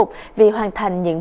tôi đã làm bằng